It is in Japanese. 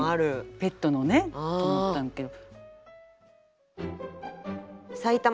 ペットのねと思ったんだけど。